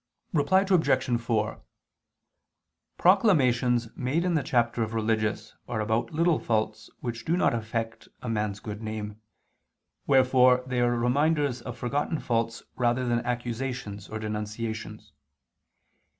Reply Obj. 4: Proclamations made in the chapter of religious are about little faults which do not affect a man's good name, wherefore they are reminders of forgotten faults rather than accusations or denunciations.